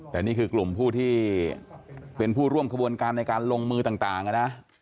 แต่นี่คือกลุ่มผู้ที่เป็นผู้ร่วมขบวนการในการลงมือต่างนะ